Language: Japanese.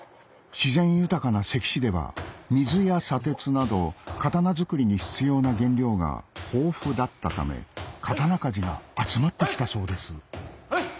自然豊かな関市では水や砂鉄など刀づくりに必要な原料が豊富だったため刀鍛冶が集まってきたそうです